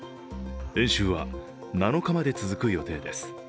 演習は７日まで続く予定です。